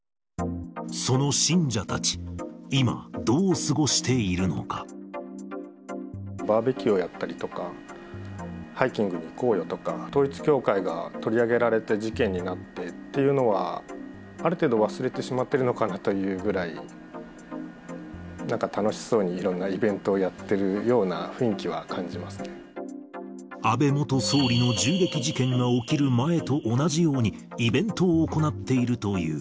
その信者たち、今、どう過ごバーベキューをやったりとか、ハイキングに行こうよとか、統一教会が取り上げられて事件になってっていうのは、ある程度忘れてしまってるのかなというぐらい、なんか楽しそうにいろんなイベントをやっているような雰囲気は感安倍元総理の銃撃事件が起きる前と同じように、イベントを行っているという。